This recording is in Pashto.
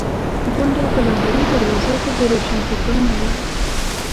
غونډه په لاهوري دروازه کې د روشنفکرانو وه.